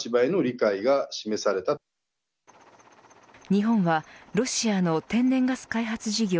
日本はロシアの天然ガス開発事業